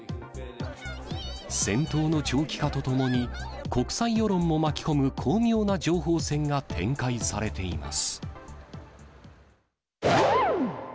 戦闘の長期化とともに、国際世論も巻き込む巧妙な情報戦が展開されています。